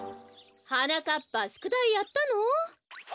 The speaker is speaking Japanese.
はなかっぱしゅくだいやったの？